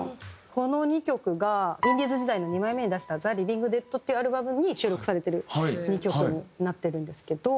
この２曲がインディーズ時代の２枚目に出した『ＴＨＥＬＩＶＩＮＧＤＥＡＤ』っていうアルバムに収録されてる２曲になってるんですけど。